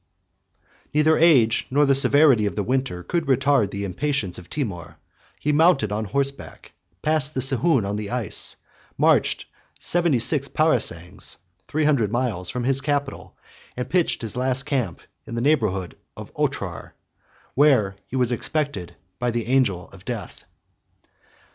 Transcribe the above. Neither age, nor the severity of the winter, could retard the impatience of Timour; he mounted on horseback, passed the Sihoon on the ice, marched seventy six parasangs, three hundred miles, from his capital, and pitched his last camp in the neighborhood of Otrar, where he was expected by the angel of death.